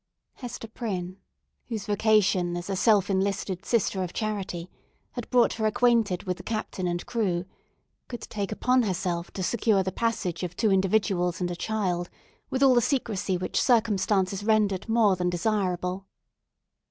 Hester Prynne—whose vocation, as a self enlisted Sister of Charity, had brought her acquainted with the captain and crew—could take upon herself to secure the passage of two individuals and a child with all the secrecy which circumstances rendered more than desirable.